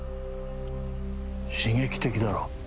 刺激的だろ？